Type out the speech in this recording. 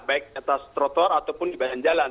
baik atas trotor ataupun di badan jalan